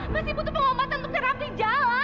masih butuh pengobatan untuk terapi jalan